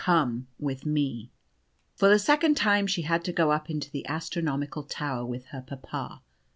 Come with me." For the second time she had to go up into the astronomical tower with her papa.